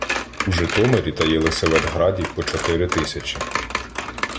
У Житомирі та Єлисаветграді — по чотири тисячі.